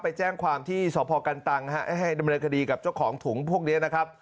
ไปแจ้งความที่สพกันตังให้ดำเนินคดีกับเจ้าของถุงพวกนี้นะครับ